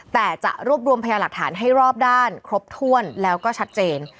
แต่จะรวบรวมพยาหลักฐานให้รอบด้านครบถ้วนแล้วก็ชัดเจน